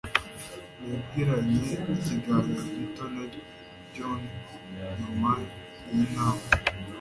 Nagiranye ikiganiro gito na John nyuma yinama.